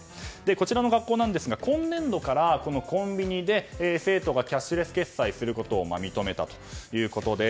こちらの学校今年度からコンビニで生徒がキャッシュレス決済することを認めたということで。